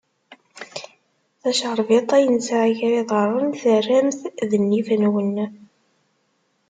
Tacerbiṭ ay nesɛa gar yiḍarren, terram-t d nnif-nwen.